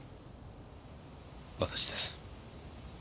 私です。